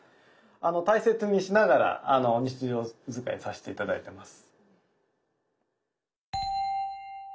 大切にしながら日常づかいさせて頂いてます。